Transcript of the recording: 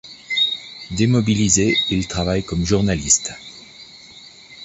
Démobilisé, il travaille comme journaliste.